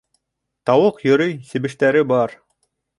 Тауыҡ йөрөй, себештәре бар.